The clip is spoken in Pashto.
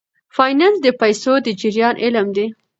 فینانس د پیسو د جریان علم دی.